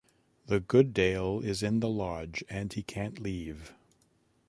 The good Dale is in the Lodge, and he can't leave.